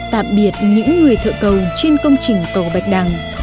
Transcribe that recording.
tạm biệt những người thợ cầu trên công trình cầu bạch đằng